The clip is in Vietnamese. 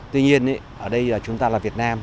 tuy nhiên ở đây chúng ta là việt nam